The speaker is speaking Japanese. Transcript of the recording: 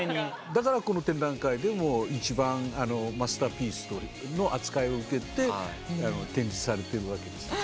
だからこの展覧会でも一番マスターピースの扱いを受けて展示されてるわけです。